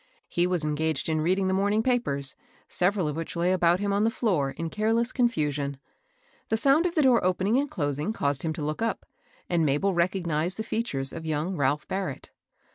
He was engaged in reading the morning papers, several of which lay about him on the floor in careless confusion. The sound of the door opening and closing caused him to look up, and Isabel recognized the features of young Ralph Barrett.